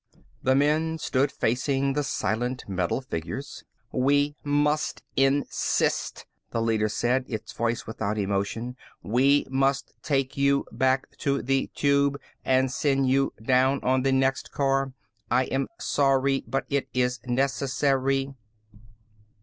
The men stood facing the silent metal figures. "We must insist," the leader said, its voice without emotion. "We must take you back to the Tube and send you down on the next car. I am sorry, but it is necessary."